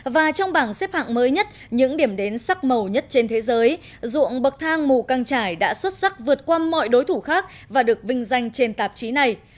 và trong bảng xếp hạng mới nhất những điểm đến sắc màu nhất trên thế giới ruộng bậc thang mù căng trải đã xuất sắc vượt qua mọi đối thủ khác và được vinh danh trên tạp chí này